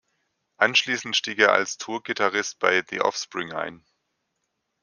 Anschließend stieg er als Tour-Gitarrist bei The Offspring ein.